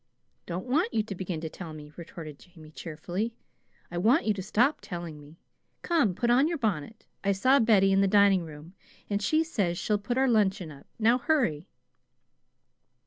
"Don't want you to begin to tell me," retorted Jamie, cheerfully. "I want you to stop telling me. Come, put on your bonnet. I saw Betty in the dining room, and she says she'll put our luncheon up. Now hurry."